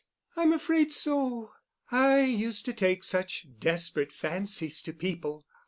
"I'm afraid so. I used to take such desperate fancies to people.